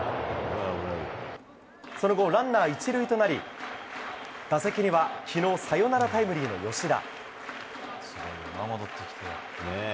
その後、ランナー１塁となり打席には昨日サヨナラタイムリーの吉田。